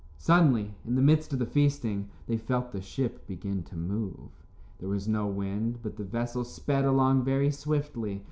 Suddenly, in the midst of the feasting, they felt the ship begin to move. There was no wind, but the vessel sped along very swiftly.